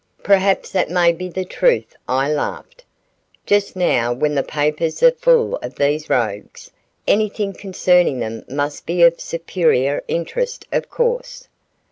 "Perhaps that may be the truth," I laughed. "Just now when the papers are full of these rogues, anything concerning them must be of superior interest of course."